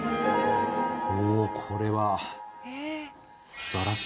おおこれは。